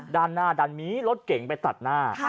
ด้านหน้าดันมีรถเก่งไปตัดหน้า